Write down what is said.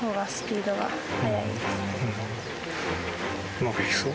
うまくいきそう？